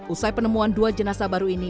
usai penemuan dua jenazah baru ini